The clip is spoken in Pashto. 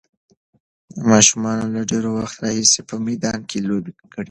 ماشومانو له ډېر وخت راهیسې په میدان کې لوبې کړې وې.